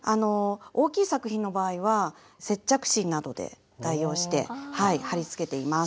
大きい作品の場合は接着芯などで代用して貼りつけています。